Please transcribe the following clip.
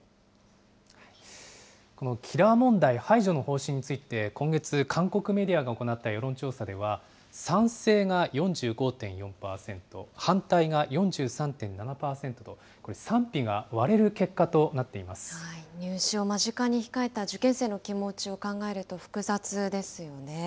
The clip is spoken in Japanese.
このキラー問題排除の方針について今月、韓国メディアが行った世論調査では、賛成が４５．４％、反対が４３．７％と、これ、入試を間近に控えた受験生の気持ちを考えると、複雑ですよね。